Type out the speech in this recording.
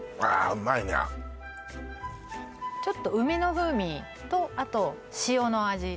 うまいなちょっと梅の風味とあと塩の味